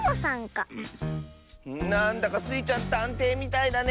なんだかスイちゃんたんていみたいだね。